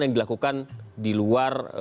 yang dilakukan di luar